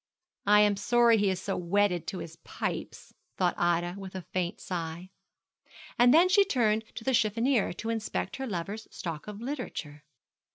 'I am sorry he is so wedded to his pipes,' thought Ida with a faint sigh. And then she turned to the cheffonier to inspect her lover's stock of literature.